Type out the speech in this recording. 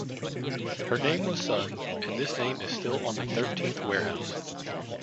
Her name was Sun and this name is still on the thirteenth warehouse.